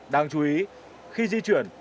đáng chú ý khi di chuyển